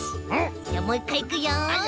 じゃあもういっかいいくよ！